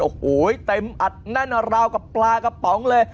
โอ้โหเต็มอัดแน่นราวกับปลากระป๋องเลย